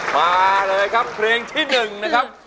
มาเลยครับเพลงที่๑นะครับ